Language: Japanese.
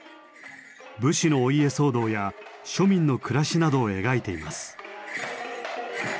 武士のお家騒動や庶民の暮らしなどを描いています。